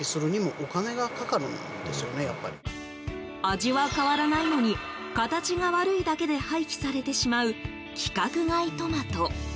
味は変わらないのに形が悪いだけで廃棄されてしまう規格外トマト。